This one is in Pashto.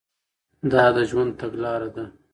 دا د ژوند تګلاره ده.